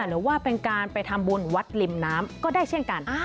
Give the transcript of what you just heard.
หรือว่าเป็นการไปทำบุญวัดริมน้ำก็ได้เช่นกัน